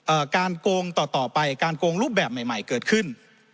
การโกงต่อต่อไปการโกงรูปแบบใหม่ใหม่เกิดขึ้น